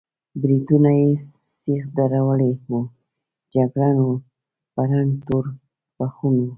برېتونه یې سېخ درولي وو، جګړن و، په رنګ تور بخون و.